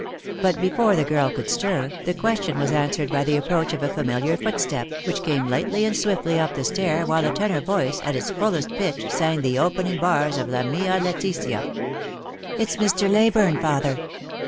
But before the girl could stir, the question was answered by the approach of a familiar footstep, which came lightly and swiftly up the stair, while a tenor voice, at its fullest pitch, sang the opening bars of " La mia letizia." " It's Mr. Leyburne, father."